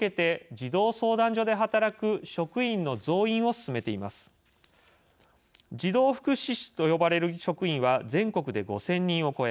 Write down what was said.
児童福祉司と呼ばれる職員は全国で５０００人を超え